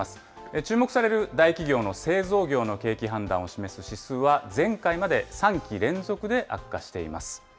注目される大企業の製造業の景気判断を示す指数は前回まで３期連続で悪化しています。